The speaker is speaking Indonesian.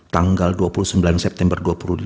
tanggal dua puluh sembilan september dua ribu dua puluh dua